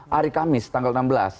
hari kamis tanggal enam belas